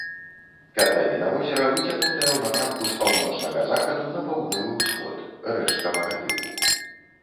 Катлавіна возера выцягнутая ў напрамку з паўночнага захаду на паўднёвы ўсход, рэшткавага тыпу.